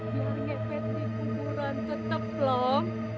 biar ngepet di kuburan tetep long